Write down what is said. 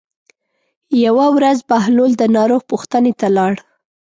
یوه ورځ بهلول د ناروغ پوښتنې ته لاړ.